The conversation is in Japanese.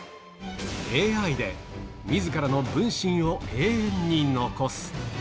ＡＩで、みずからの分身を永遠に残す。